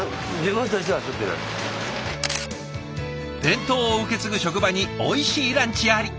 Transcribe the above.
伝統を受け継ぐ職場においしいランチあり。